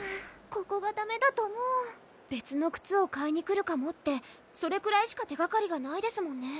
ここがダメだともう別の靴を買いに来るかもってそれくらいしか手がかりがないですもんね・